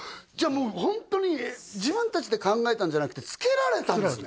もうホントに自分達で考えたんじゃなくて付けられたんですね？